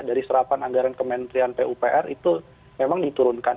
dari serapan anggaran kementerian pupr itu memang diturunkan